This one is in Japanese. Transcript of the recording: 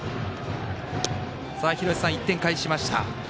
廣瀬さん、１点返しました。